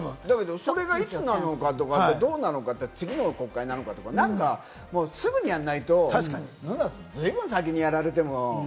それがいつなのか、どうなのかって、次の国会なのかとか、何かすぐにやんないと、ずいぶん先にやられても。